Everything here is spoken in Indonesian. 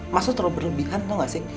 mas tuh terlalu berlebihan tau gak sih